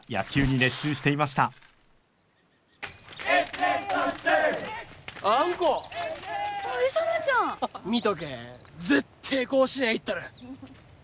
絶対甲子園行ったる！